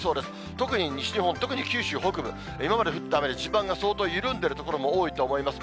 特に西日本、特に九州北部、今まで降った雨で地盤が相当緩んでる所も多いと思います。